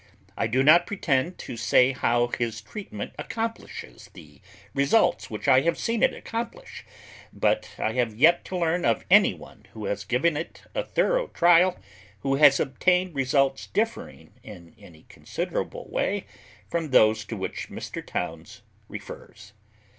I do not pretend to say how his treatment accomplishes the results which I have seen it accomplish, but I have yet to learn of any one who has given it a thorough trial who has obtained results differing in any considerable way from those to which Mr. Towns refers.